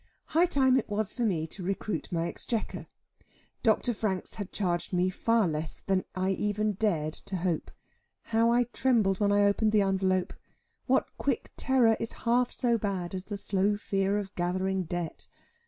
High time it was for me to recruit my exchequer. Dr. Franks had charged me far less than I even dared to hope. How I trembled when I opened the envelope! What quick terror is half so bad as the slow fear of gathering debt?